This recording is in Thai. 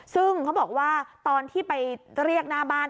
ซึ่งเขาบอกว่าตอนที่ไปเรียกหน้าบ้าน